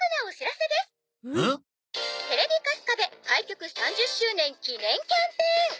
「テレビカスカベ開局３０周年記念キャンペーン」